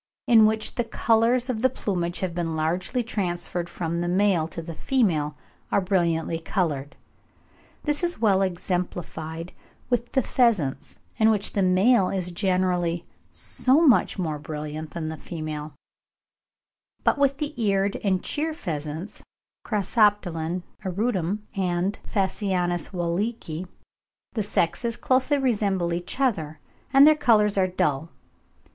in which the colours of the plumage have been largely transferred from the male to the female, are brilliantly coloured. This is well exemplified with the pheasants, in which the male is generally so much more brilliant than the female; but with the Eared and Cheer pheasants (Crossoptilon auritum and Phasianus wallichii) the sexes closely resemble each other and their colours are dull.